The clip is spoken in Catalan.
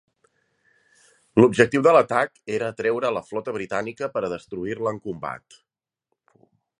L'objectiu de l'atac era atreure a la flota britànica per a destruir-la en combat.